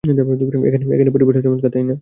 এখানের পরিবেশটা চমৎকার, তাই না?